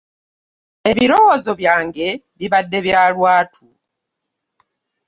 Ebirowoozo byange bibadde bya lwatu.